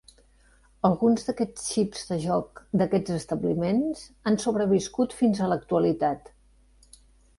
Alguns d'aquests xips de joc d'aquests establiments han sobreviscut fins a l'actualitat.